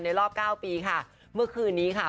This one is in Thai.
รอบเก้าปีค่ะเมื่อคืนนี้ค่ะ